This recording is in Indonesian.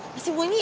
masih bunyi ya